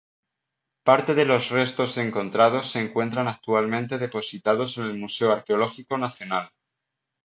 Parte de los restos encontrados se encuentran actualmente depositados en el Museo Arqueológico Nacional.